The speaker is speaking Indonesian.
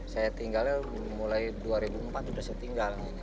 saya tinggalnya mulai dua ribu empat sudah saya tinggal